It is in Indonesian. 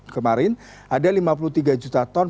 kemarin ada lima puluh tiga juta ton